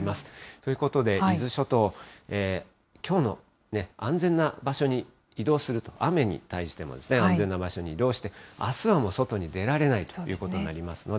ということで、伊豆諸島、きょうの、安全な場所に移動すると、雨に対しても安全な場所に移動して、あすはもう外に出られないということになりますので。